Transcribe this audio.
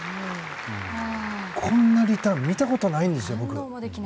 こんなリターン見たことないんですよ、僕。